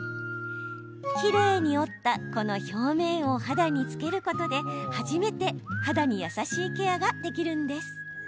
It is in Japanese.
きれいに折った、この表面を肌につけることで初めて肌に優しいケアができるんです。